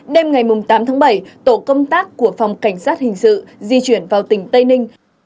đêm ngày tám tháng bảy tổ công tác của phòng cảnh sát hình sự di chuyển vào tỉnh tây ninh